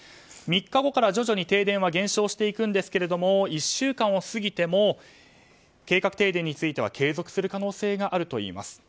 ３日後から徐々に停電は減少していくんですけども１週間を過ぎても計画停電については継続する可能性があるといいます。